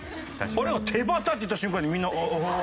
あれを「手旗」って言った瞬間にみんな「ああああ」